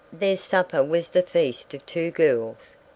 Their supper was the feast of two girls.